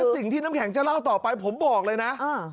สิ่งที่น้ำแข็งจะเล่าต่อไปผมบอกเลยนะ